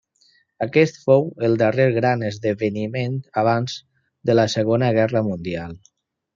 Aquest fou el darrer gran esdeveniment abans de la Segona Guerra Mundial.